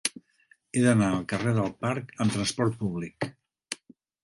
He d'anar al carrer del Parc amb trasport públic.